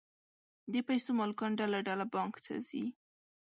د پیسو مالکان ډله ډله بانک ته ځي